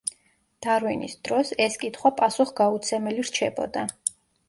დარვინის დროს, ეს კითხვა პასუხგაუცემელი რჩებოდა.